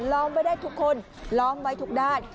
ร้องไว้ได้ทุกคนร้องไว้ทุกด้าน